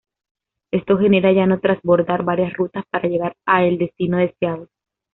Esto genera ya no transbordar varias rutas para llegar a el destino deseado.